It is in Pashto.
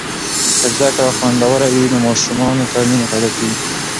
که زده کړه خوندوره وي، نو ماشومانو ته مینه پیدا کیږي.